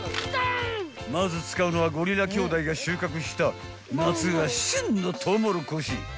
［まず使うのはゴリラ兄弟が収穫した夏が旬のトウモロコシ］